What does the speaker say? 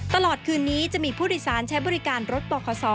ตลอดคืนนี้จะมีผู้โดยสารใช้บริการรถบข